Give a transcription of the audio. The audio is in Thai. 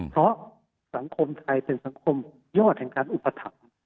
เพราะสังคมไทยเป็นสังคมยอดแห่งการอุปถัมภ์